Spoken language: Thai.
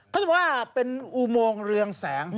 เขาบอกว่าเป็นอุโมงเรืองแสง